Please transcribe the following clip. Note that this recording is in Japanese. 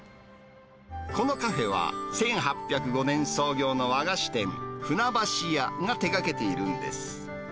このカフェは、１８０５年創業の和菓子店、船橋屋が手がけているんです。